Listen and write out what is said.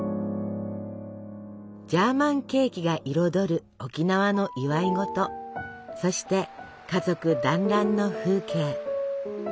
ジャーマンケーキが彩る沖縄の祝い事そして家族団らんの風景。